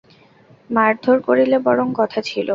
মারধোর করিলে বরং কথা ছিল।